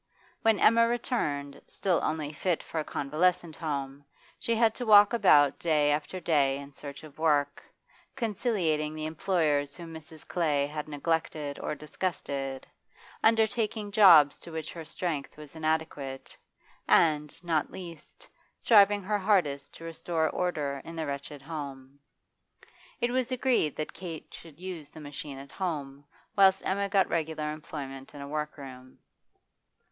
When Emma returned, still only fit for a convalescent home, she had to walk about day after day in search of work, conciliating the employers whom Mrs. Clay had neglected or disgusted, undertaking jobs to which her strength was inadequate, and, not least, striving her hardest to restore order in the wretched home. It was agreed that Kate should use the machine at home, whilst Emma got regular employment in a workroom.